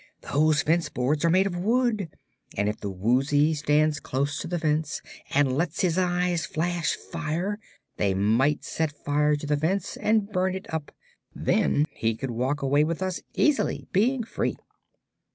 "Those fence boards are made of wood, and if the Woozy stands close to the fence and lets his eyes flash fire, they might set fire to the fence and burn it up. Then he could walk away with us easily, being free."